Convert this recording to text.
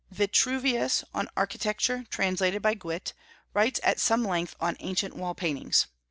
Vitruvius (on Architecture, translated by Gwilt) writes at some length on ancient wall paintings.